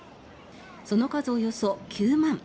その数およそ９万。